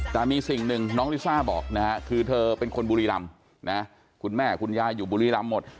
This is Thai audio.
แต่มีสิ่งหนึ่งน้องลิซ่าบอกนะฮะคือเธอเป็นคนบุรีรำนะคุณแม่คุณยายอยู่บุรีรำหมด